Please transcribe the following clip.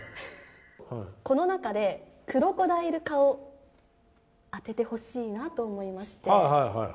この中で、クロコダイル科を当ててほしいなと思いまして。